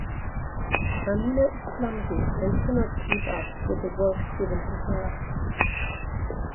Amina is clumsy and cannot keep up with the work given to her.